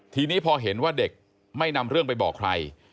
ทีนี้พอเห็นว่าเด็กไม่นำเรื่องไปบอกใคร